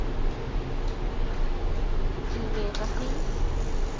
Kiinget Asisi